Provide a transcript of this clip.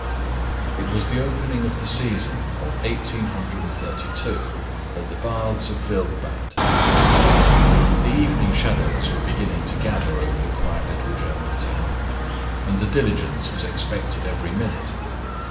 It was the opening of the season of eighteen hundred and thirty two, at the Baths of Wildbad. The evening shadows were beginning to gather over the quiet little German town, and the diligence was expected every minute.